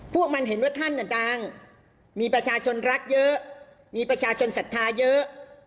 พวกมันเห็นว่าท่านดังมีประชาชนรักเยอะมีประชาชนศรัทธาเยอะ